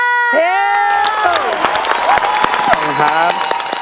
ขอบคุณครับ